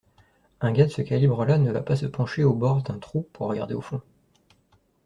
un gars de ce calibre-là ne va pas se pencher au bord d’un trou pour regarder au fond